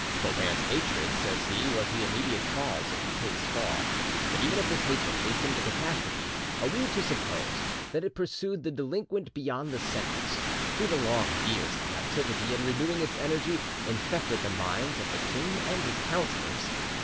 Colbert's hatred, says he, was the immediate cause of Fouquet's fall; but even if this hatred hastened the catastrophe, are we to suppose that it pursued the delinquent beyond the sentence, through the long years of captivity, and, renewing its energy, infected the minds of the king and his councillors?